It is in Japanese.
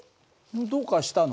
どうかしたの？